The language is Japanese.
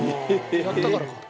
やったからか。